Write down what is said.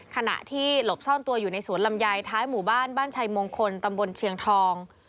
ขณะที่หลบซ่อนตัวอยู่ในสวนลำไยท้ายหมู่บ้านบ้านชัยมงคลตำบลเชียงทอง